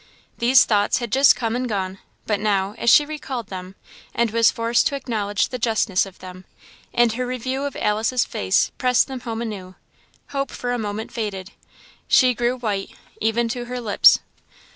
These thoughts had just come and gone; but now, as she recalled them, and was forced to acknowledge the justness of them, and her review of Alice's face pressed them home anew hope for a moment faded. She grew white, even to her lips.